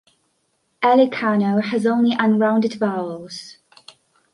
Alekano has only unrounded vowels.